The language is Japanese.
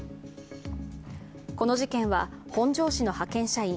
この事件は、本庄市の派遣社員、